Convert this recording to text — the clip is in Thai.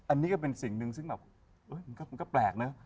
อันนี้ก็เป็นสิ่งหนึ่งซึ่งแบบมันก็แปลกเนอะ